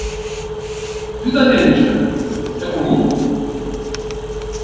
Vida alienígena é comum?